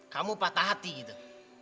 kamu patah hati gitu